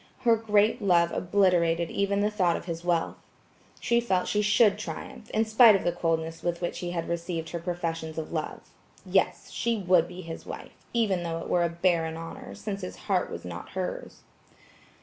Her great love obliterated even the thought of his wealth. She felt she should triumph, in spite of the coldness with which he had received her professions of love. Yes, she would be his wife, even thought it were a barren honor, since his heart was not hers.